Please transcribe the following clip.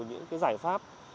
những cái giải pháp